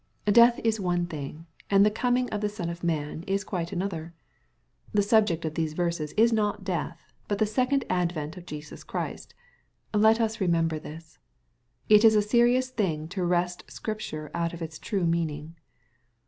Death is one thing, and the coming of the Son of man is quite another. The subject of these Terses is not death, but the second advent of Jesus Christ. Let us remember this. It is a serious thing to wrest Scripture out of its true meaning.